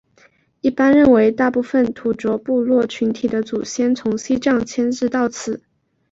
一般认为大多数土着部落群体的祖先从西藏迁移到此。